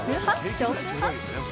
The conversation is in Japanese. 少数派？